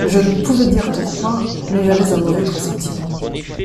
Je ne pouvais dire pourquoi, mais j’avais un mauvais pressentiment.